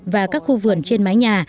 và các khu vườn trên mái nhà